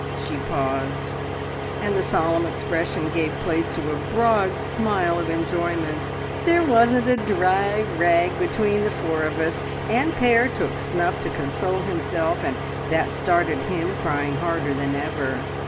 She paused, and the solemn expression gave place to a broad smile of enjoyment. "There wasn't a dry rag between the four of us, and Pere took snuff to console himself, and that started him crying harder than ever.